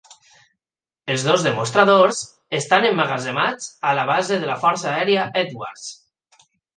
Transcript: Els dos demostradors estan emmagatzemats a la Base de la Força Aèria Edwards.